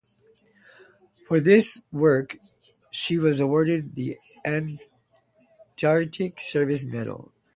For this work she was awarded the Antarctic Service Medal.